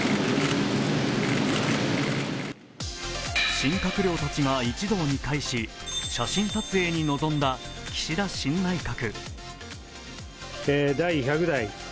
新閣僚たちが一堂に会し、写真撮影に臨んだ岸田新内閣。